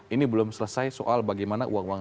ini belum selesai soal bagaimana uang uang